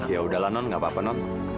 ya udahlah non gak apa apa non